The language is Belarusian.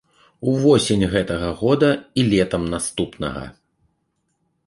Увосень гэтага года і летам наступнага.